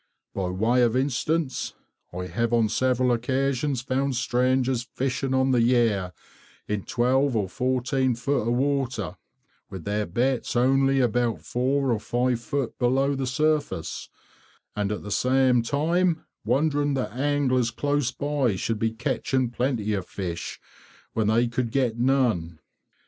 By way of instance, I have on several occasions found strangers fishing on the Yare in 12 or 14 feet of water, with their baits only about four or five feet below the surface, and at the same time wondering that anglers close by should be catching plenty of fish when they could get none.